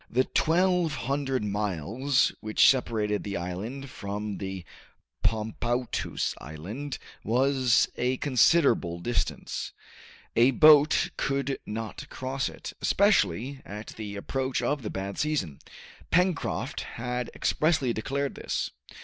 The twelve hundred miles which separated the island from the Pomoutous Island was a considerable distance. A boat could not cross it, especially at the approach of the bad season. Pencroft had expressly declared this.